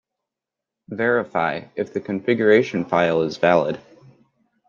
Verify if the configuration file is valid.